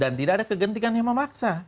dan tidak ada kegantikan yang memaksa